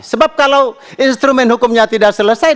sebab kalau instrumen hukumnya tidak selesai